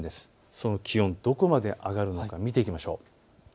その気温、どこまで上がるのか見ていきましょう。